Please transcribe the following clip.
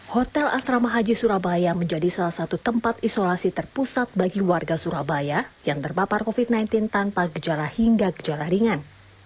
hotel asrama haji surabaya menjadi salah satu tempat isolasi terpusat bagi warga surabaya yang terpapar covid sembilan belas tanpa gejala hingga gejala ringan